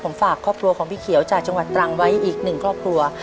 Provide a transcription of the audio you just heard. ผมฝากครอบครัวของพี่เขียวจากจังหวัดตรังไว้อีกหนึ่งครอบครัว